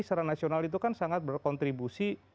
secara nasional itu kan sangat berkontribusi